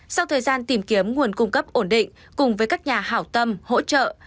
sau thời gian tìm kiếm nguồn cung cấp ổn định cùng với các nhà hảo tâm hỗ trợ